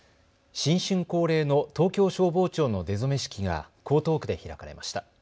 新春恒例の東京消防庁の出初め式が江東区で開かれました。